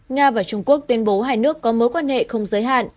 nga và trung quốc tuyên bố hai nước có mối quan hệ không giới hạn